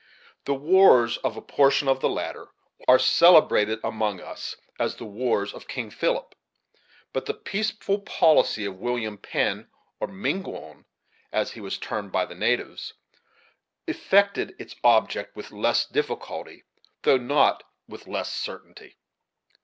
The wars of a portion of the latter are celebrated among us as the wars of King Philip; but the peaceful policy of William Penn, or Miquon, as he was termed by the natives, effected its object with less difficulty, though not with less certainty.